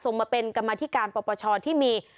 ส่งมาเป็นกรรมธิการประชานที่มี